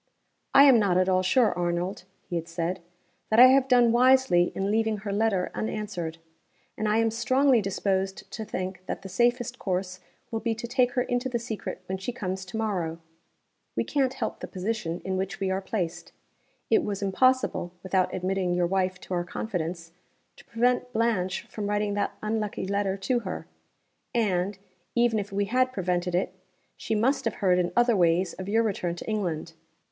"I am not at all sure, Arnold" (he had said), "that I have done wisely in leaving her letter unanswered. And I am strongly disposed to think that the safest course will be to take her into the secret when she comes to morrow. We can't help the position in which we are placed. It was impossible (without admitting your wife to our confidence) to prevent Blanche from writing that unlucky letter to her and, even if we had prevented it, she must have heard in other ways of your return to England.